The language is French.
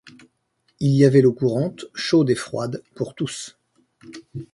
Il y avait l'eau courante, chaude et froide, pour tous.